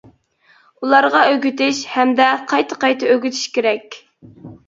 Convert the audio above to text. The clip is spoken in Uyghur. ئۇلارغا ئۆگىتىش، ھەمدە قايتا-قايتا ئۆگىتىش كېرەك.